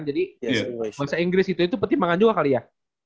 jadi bahasa inggris itu pertimbangan juga kali ya